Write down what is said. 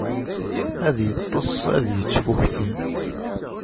Ad yeṭṭes ad yettfukti.